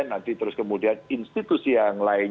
nanti terus kemudian institusi yang lain